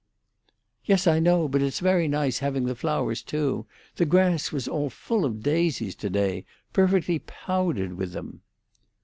"Yes; I know. But it's very nice having the flowers, too. The grass was all full of daisies to day—perfectly powdered with them."